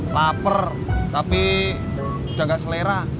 paper tapi udah gak selera